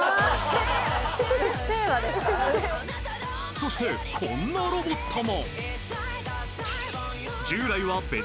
そして、こんなロボットも。